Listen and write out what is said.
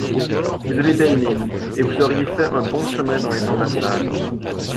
Vous avez belle mine, et vous auriez fait un bon chemin dans les ambassades.